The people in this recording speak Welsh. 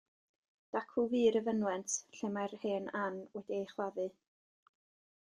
Dacw fur y fynwent lle mae'r hen Ann wedi ei chladdu.